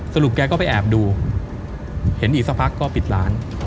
แกก็ไปแอบดูเห็นอีกสักพักก็ปิดร้าน